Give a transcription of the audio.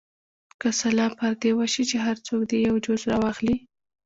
که سلا پر دې وشي چې هر څوک دې یو جز راواخلي.